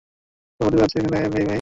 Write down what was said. তোমার পরিবার আছে এখানে, মেই-মেই।